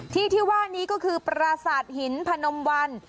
ที่ที่ว่านี้ก็คือปราสาทหินพนมวัน